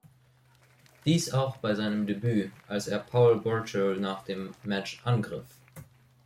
Dies auch bei seinem Debüt, als er Paul Burchill nach dem Match angriff.